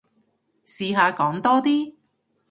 試下講多啲